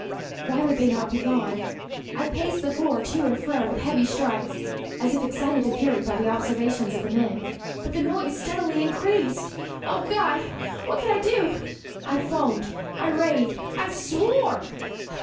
Why would they not be gone? I paced the floor to and fro with heavy strides, as if excited to fury by the observations of the men but the noise steadily increased. Oh God! what could I do? I foamed I raved I swore!